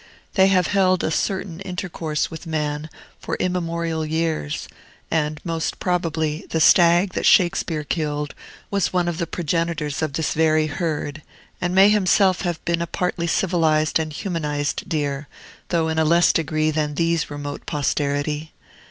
They have held a certain intercourse with man for immemorial years; and, most probably, the stag that Shakespeare killed was one of the progenitors of this very herd, and may himself have been a partly civilized and humanized deer, though in a less degree than these remote posterity.